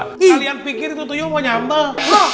kalian pikir itu tuyul mau nyambel